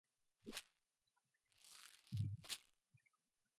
For some reason all of the homes in Compass Rose are on septic tanks.